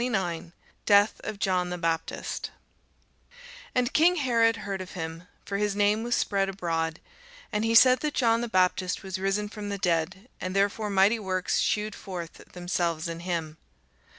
CHAPTER 29 DEATH OF JOHN THE BAPTIST AND king Herod heard of him; (for his name was spread abroad:) and he said that John the Baptist was risen from the dead, and therefore mighty works shewed forth themselves in him.